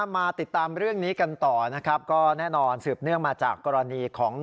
มาติดตามเรื่องนี้กันต่อนะครับก็แน่นอนสืบเนื่องมาจากกรณีของ